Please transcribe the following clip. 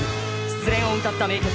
失恋を歌った名曲。